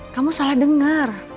kamu salah denger